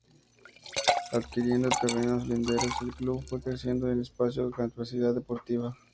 Adquiriendo terrenos linderos, el club fue creciendo en espacio y capacidad deportiva.